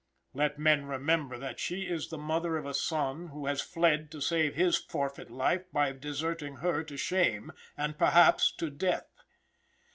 Let men remember that she is the mother of a son who has fled to save his forfeit life by deserting her to shame, and perhaps, to death.